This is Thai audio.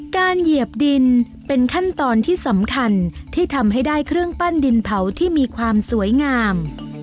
เหยียบดินเป็นขั้นตอนที่สำคัญที่ทำให้ได้เครื่องปั้นดินเผาที่มีความสวยงาม